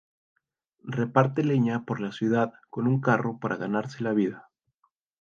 Reparte leña por la ciudad con un carro para ganarse la vida.